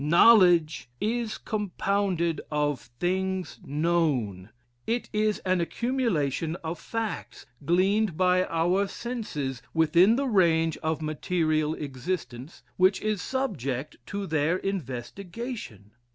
Knowledge is compounded of things known. It is an accumulation of facts gleaned by our senses, within the range of material existence, which is subject to their investigation....